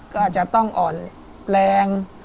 ก็อาจจะต้องอ่อนแรง